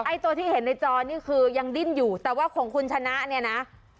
ตัวที่เห็นในจอนี่คือยังดิ้นอยู่แต่ว่าของคุณชนะเนี่ยนะ